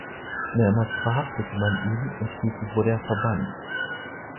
Mehrmals verhaftete man ihn und schließlich wurde er verbannt.